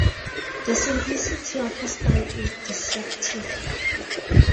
The simplicity of his style is deceptive.